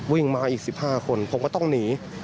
วิ่งมาอีก๑๕คนผมก็ต้องหนี